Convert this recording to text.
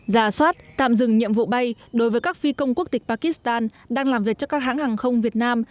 giả soát tạm dừng nhiệm vụ bay đối với các phi công quốc tịch pakistan đang làm việc cho các hãng hàng không việt nam